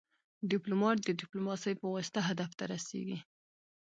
ډيپلومات د ډيپلوماسي پواسطه هدف ته رسیږي.